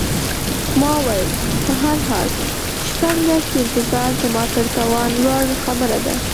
ما وویل: په هر حال، شپږ میاشتې انتظار زما تر توان لوړه خبره ده.